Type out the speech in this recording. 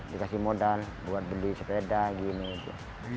dikasih modal buat beli sepeda gitu